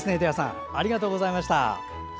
板谷さんありがとうございました。